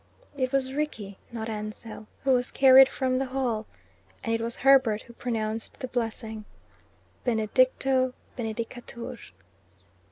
It was Rickie, not Ansell, who was carried from the hall, and it was Herbert who pronounced the blessing "Benedicto benedicatur."